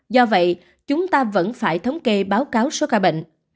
do vậy chúng ta vẫn phải thống kê báo cáo số ca bệnh